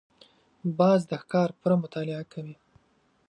باز د ښکار پوره مطالعه کوي